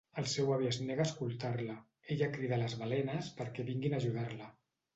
El seu avi es nega a escoltar-la, ella crida les balenes perquè vinguin a ajudar-la.